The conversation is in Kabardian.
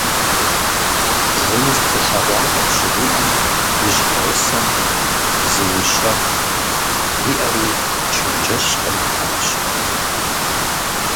Зыми сыкъилъэгъуакъым, щыжиӀэм, и щхьэгъусэм: - Зыущэху, – жиӀэри чэнджэщ къритащ.